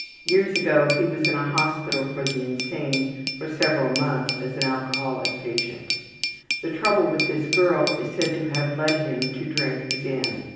Years ago he was in a hospital for the insane for several months as an alcoholic patient. The trouble with this girl is said to have led him to drink again.